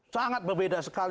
sangat berbeda sekali